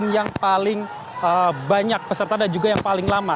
yang paling banyak peserta dan juga yang paling lama